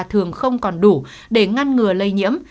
thường không còn đủ để ngăn ngừa lây nhiễm